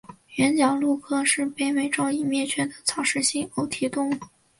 原角鹿科是北美洲已灭绝的草食性偶蹄动物。